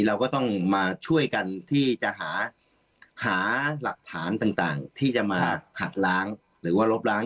เราก็ต้องมาช่วยกันที่จะหาหลักฐานต่างที่จะมาหัดล้างหรือว่าลบล้าง